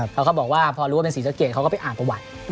เพราะเขาบอกว่าพอรู้ว่าเป็นศรีสะเกดเขาก็ไปอ่านประวัติ